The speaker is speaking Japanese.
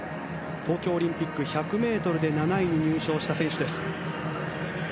東京オリンピックは１００ｍで７位に入賞した選手。